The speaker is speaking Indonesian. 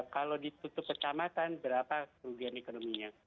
kalau ditutup kecamatan berapa kerugian ekonominya